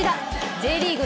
Ｊリーグ